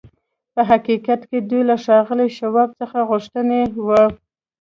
په حقيقت کې دوی له ښاغلي شواب څخه غوښتي وو.